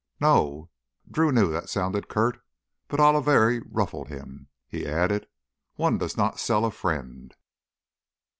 "No." Drew knew that sounded curt, but Oliveri ruffled him. He added, "One does not sell a friend."